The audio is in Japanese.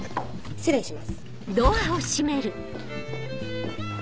失礼します。